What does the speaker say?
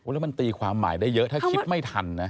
แล้วมันตีความหมายได้เยอะถ้าคิดไม่ทันนะ